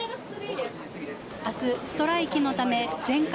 明日、ストライキのため全館